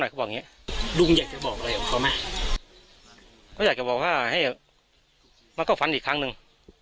ลุงน้อยก็มาฝันอีกครั้งนึง